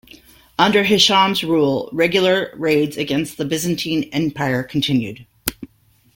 Under Hisham's rule, regular raids against the Byzantine Empire continued.